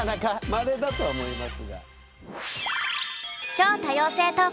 まれだとは思いますが。